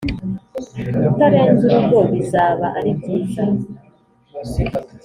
Kutarenza urugero bizaba ari byiza